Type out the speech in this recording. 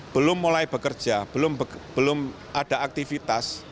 belum mulai bekerja belum ada aktivitas